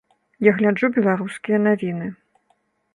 Я гляджу беларускія навіны.